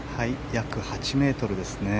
約８ｍですね。